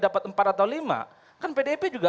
dapat empat atau lima kan pdip juga